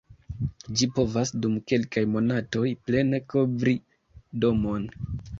Ĝi povas dum kelkaj monatoj plene kovri domon.